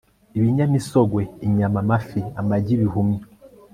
ibinyamisogwe, inyama, amafi amagi, ibihumyo